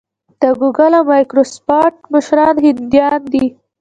د ګوګل او مایکروسافټ مشران هندیان دي.